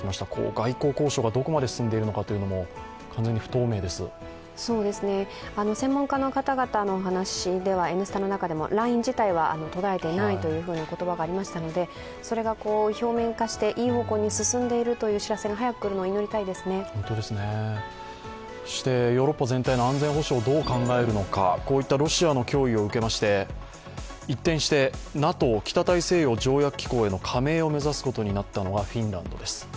外交交渉がどこまで進んでいるのかというのも専門家の方々たちの話ではライン事態は捉えていないという言葉がありましたのでそれが表面化して、いい方向に進んでいるという知らせがそしてヨーロッパ全体の安全保障をどう考えるのか、こういったロシアの脅威を受けまして、一転してＮＡＴＯ＝北大西洋条約機構への加盟を目指すことになったのがフィンランドです。